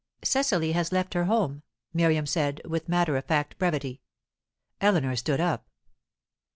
"Cecily has left her home," Miriam said, with matter of fact brevity. Eleanor stood up.